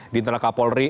di internal kapolri